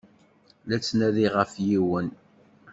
La ttnadiɣ ɣef yiwen.